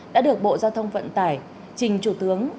đã được bộ giao thông vận tải trình thủ tướng